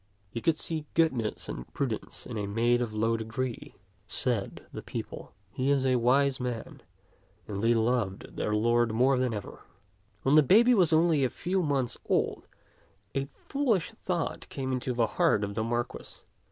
" He could see goodness and prudence in a maid of low degree," said the people; "he is a wise man"; and they loved their lord more than ever. When the baby was only a few months old, a fool ish thought came into the heart of the Marquis.